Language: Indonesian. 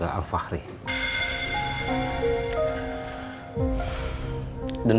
yang n combinin terus ah